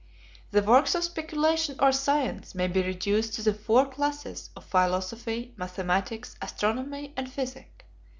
The works of speculation or science may be reduced to the four classes of philosophy, mathematics, astronomy, and physic.